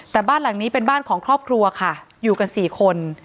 แต่บ้านหลังนี้เป็นบ้านของครอบครัวค่ะอยู่กัน๔คน